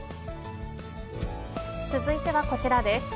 続いてはこちらです。